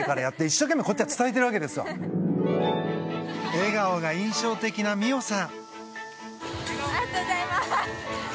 笑顔が印象的な実生さん。